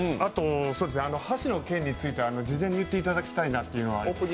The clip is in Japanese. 橋の件については事前に言っていただきたいなというのが。